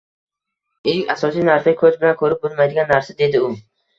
— Eng asosiy narsa — ko‘z bilan ko‘rib bo‘lmaydigan narsa... — dedi u.